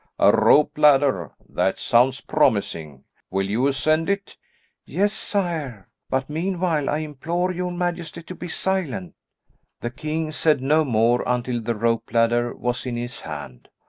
"A rope ladder! that sounds promising; will you ascend it?" "Yes, sire, but meanwhile, I implore your majesty to be silent." The king said no more until the rope ladder was in his hand.